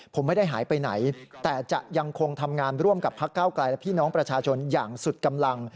ผมไม่ได้หายไปไหนแต่จะยังคงทำงานร่วมกับพักเก้าไกลและพี่น้องประชาชนอย่างสุดกำลัง